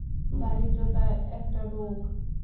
দারিদ্রতা একটা রোগ।